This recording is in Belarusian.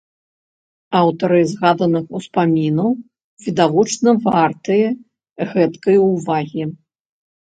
Аўтары згаданых успамінаў відавочна вартыя гэткай увагі.